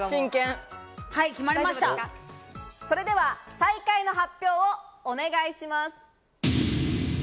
最下位の発表をお願いします。